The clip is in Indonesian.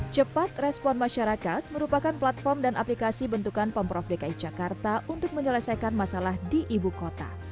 cepat respon masyarakat merupakan platform dan aplikasi bentukan pemprov dki jakarta untuk menyelesaikan masalah di ibu kota